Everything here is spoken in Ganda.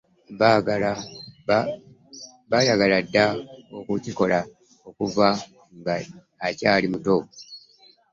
Baayagala dda okukikola okuva nga akyali muto.